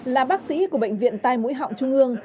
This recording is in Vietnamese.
là bác sĩ của bệnh viện tai mũi họng trung ương